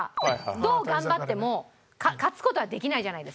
どう頑張っても勝つ事ができないじゃないですか